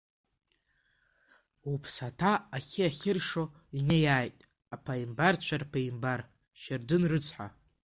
Уԥсаҭа ахьы ахьыршо инеиааит, аԥеимбарцәа рԥеимбар, Шьардын рыцҳа!